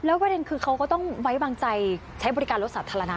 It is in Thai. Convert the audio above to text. ประเด็นคือเขาก็ต้องไว้วางใจใช้บริการรถสาธารณะ